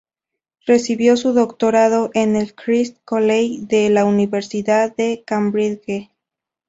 Recibió su doctorado en el "Christ's College" de la Universidad de Cambridge.